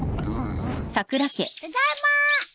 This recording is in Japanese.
ただいま！